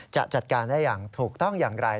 จะจัดการได้อย่างถูกต้องอย่างไร